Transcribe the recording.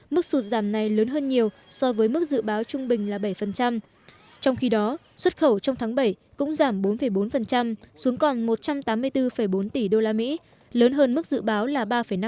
mức sụt giảm này lớn hơn nhiều so với mức dự báo trung bình là bảy trong khi đó xuất khẩu trong tháng bảy cũng giảm bốn bốn xuống còn một trăm tám mươi bốn bốn tỷ usd lớn hơn mức dự báo là ba năm